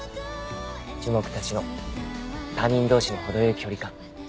樹木たちの他人同士の程良い距離感。